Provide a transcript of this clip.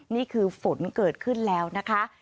นี่คือฝนเกิดขึ้นแล้วนะคะ